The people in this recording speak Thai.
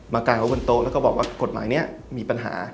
กายไว้บนโต๊ะแล้วก็บอกว่ากฎหมายนี้มีปัญหา